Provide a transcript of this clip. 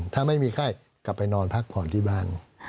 ถ้าไม่มีไข้กลับไปนอนพักผ่อนที่บ้าน